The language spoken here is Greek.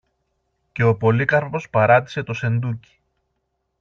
και ο Πολύκαρπος παράτησε το σεντούκι.